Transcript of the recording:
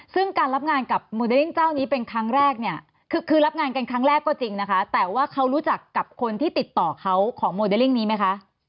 ซึ่งการรับงานกับโมเดลลิ่งเจ้านี้เป็นครั้งแรกเนี่ยคือรับงานกันครั้งแรกก็จริงนะคะแต่ว่าเขารู้จักกับคนที่ติดต่อเขาของโมเดลลิ่งนี้ไหมคะ